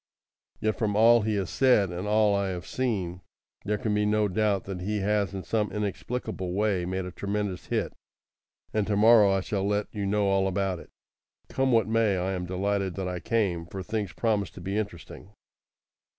Yet from all he has said, and all I have seen, there can be no doubt that he has in some inexplicable way made a tremendous hit, and to morrow I shall let you know all about it. Come what may, I am delighted that I came, for things promise to be interesting.